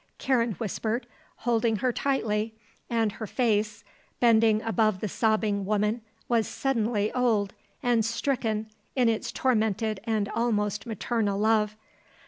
Karen whispered, holding her tightly, and her face, bending above the sobbing woman, was suddenly old and stricken in its tormented and almost maternal love.